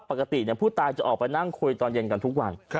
ปกติผู้ตายจะออกไปนั่งคุยตอนเย็นกันทุกวัน